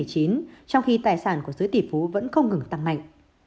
trong khi tài sản của giới tỷ phú vẫn không ngừng tăng mạnh